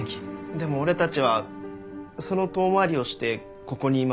でも俺たちはその遠回りをしてここにいますよ。